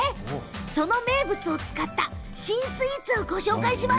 その名物を使った新スイーツご紹介します。